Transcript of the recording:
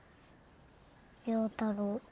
陽太郎。